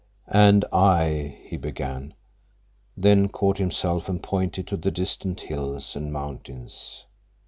"And I—" he began, then caught himself and pointed to the distant hills and mountains.